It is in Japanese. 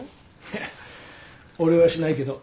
いや俺はしないけど。